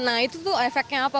nah itu tuh efeknya apa